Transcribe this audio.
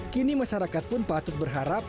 kini masyarakat pun patut berharap